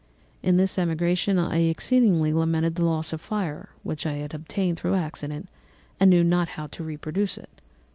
In this emigration I exceedingly lamented the loss of the fire which I had obtained through accident and knew not how to reproduce it.